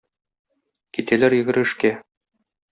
Китәләр йөгерешкә.